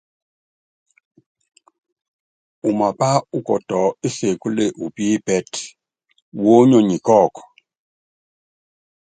Umapá ukɔtɔ ésekúle upípɛ́tɛ́, wónyonyi kɔ́ɔku.